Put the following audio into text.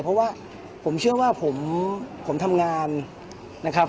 เพราะว่าผมเชื่อว่าผมทำงานนะครับ